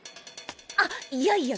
あいやいや